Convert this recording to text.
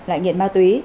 lại nghiện ma túy